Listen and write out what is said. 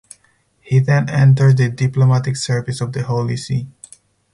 He then entered the diplomatic service of the Holy See.